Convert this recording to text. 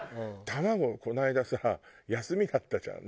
卵この間さ休みだったじゃん。